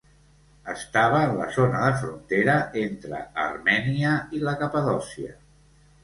Estava en la zona de frontera entre Armènia i la Capadòcia.